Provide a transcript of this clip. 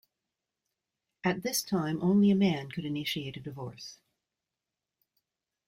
At this time only a man could initiate a divorce.